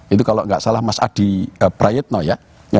itu kalau nggak salah mas adi prayetno ya